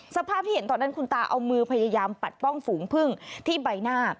สภาพที่เห็นตอนนั้นคุณตาเอามือพยายามปัดป้องฝูงพึ่งที่ใบหน้า